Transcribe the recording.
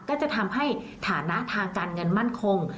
ก็จะทำให้ฐานะทางการเงินมั่นคง